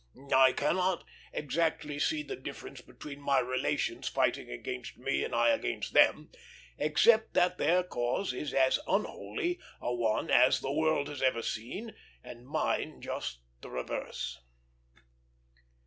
"I cannot exactly see the difference between my relations fighting against me and I against them, except that their cause is as unholy a one as the world has ever seen, and mine just the reverse."